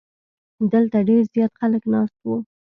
دلته ډیر زیات خلک ناست وو.